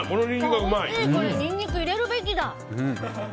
ニンニク入れるべきだ。